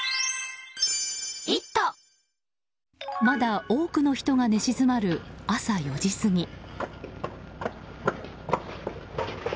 まだ多くの人が寝静まる朝４時過ぎ。